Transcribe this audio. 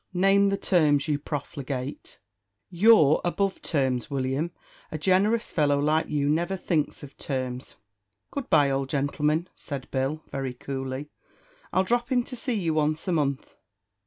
"Name the terms, you profligate." "You're above terms, William; a generous fellow like you never thinks of terms." "Good bye, old gentleman!" said Bill, very coolly; "I'll drop in to see you once a month."